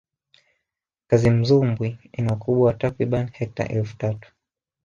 kazimzumbwi ina ukubwa wa takribani hekta elfu tatu